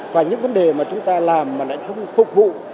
và những vấn đề mà chúng ta làm mà lại không phục vụ